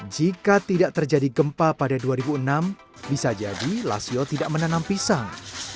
jika tidak terjadi gempa pada dua ribu enam bisa jadi lasio tidak menanam pisang